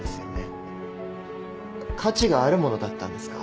価値があるものだったんですか？